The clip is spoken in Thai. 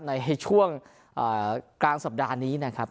ในช่วงกลางสัปดาห์นี้นะครับ